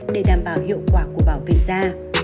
để đảm bảo hiệu quả của bảo vệ da